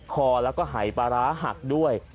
คอแล้วก็หายปลาร้าหักด้วย